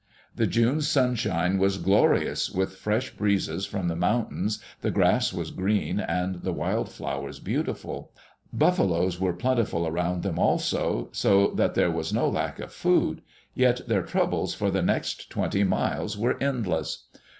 The June sunshine was glorious, with fresh breezes from the moun tains, the grass was green and the wild flowers beautiful. Buffaloes were plentiful around them, also, so that there was no lack of food. Yet their troubles for the next twenty miles were endless.